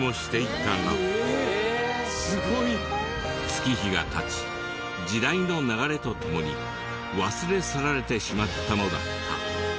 月日が経ち時代の流れと共に忘れ去られてしまったのだった。